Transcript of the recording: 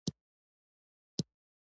د هېواد د مینې نښې